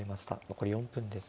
残り４分です。